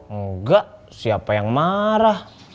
enggak siapa yang marah